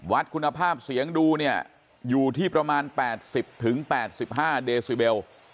วัดคุณภาพเสียงดูเนี่ยอยู่ที่ประมาณ๘๐๘๕เดซิเบล